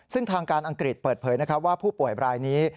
ซึ่งทางการอังกฤษเปิดเผยว่าผู้ป่วยรายนี้